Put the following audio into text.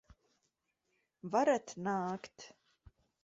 Varat nākt!